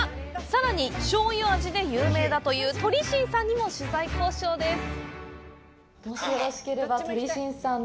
さらに、醤油味で有名だという鳥しんさんにも取材交渉です。